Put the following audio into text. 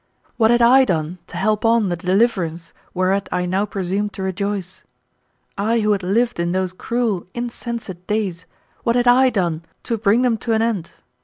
What had I done to help on the deliverance whereat I now presumed to rejoice? I who had lived in those cruel, insensate days, what had I done to bring them to an end?